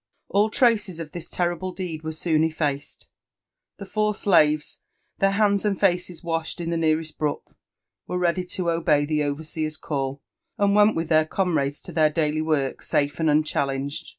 All traces of this terrible deed were soon effaced : the four slaves, their hands and faces washed in the nearest brook, were ready to obey the overseer's call, and went with their comrades to their daily work safe and unchallenged.